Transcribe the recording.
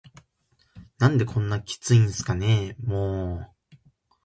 「何でこんなキツいんすかねぇ～も～…」